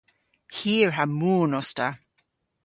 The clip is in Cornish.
Hir ha moon os ta.